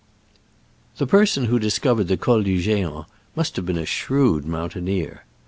THE person who discovered the Col du G6ant must have been a shrewd mo ntaineer.